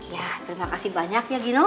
ya terima kasih banyak ya gino